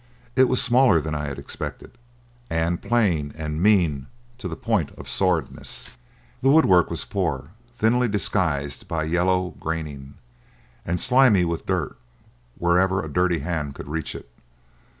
It was smaller than I had expected, and plain and mean to the point of sordidness. The woodwork was poor, thinly disguised by yellow graining, and slimy with dirt wherever a dirty hand could reach it.